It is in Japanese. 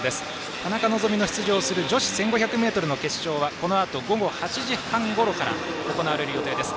田中希実が出場する女子１５００ｍ決勝はこのあと午後８時半ごろから行われる予定です。